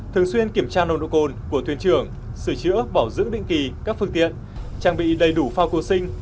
thường xuyên kiểm tra nồng độ cồn của thuyền trưởng sửa chữa bảo dưỡng định kỳ các phương tiện trang bị đầy đủ phao cô sinh